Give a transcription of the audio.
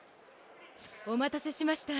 お待たせしました。